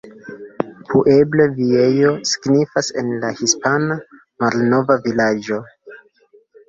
Pueblo Viejo signifas en la hispana "Malnova vilaĝo".